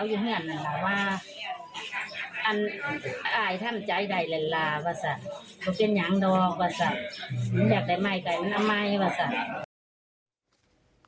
มันอยากได้ไหมแต่มันไม่ไหมว่าสัก